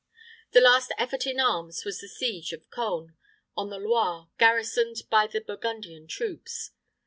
The last effort in arms was the siege of Cone, on the Loire, garrisoned by the Burgundian troops.